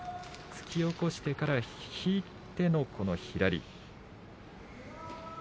突き起こしてから引いての左。